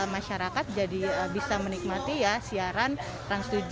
masyarakat jadi bisa menikmati ya siaran trans tujuh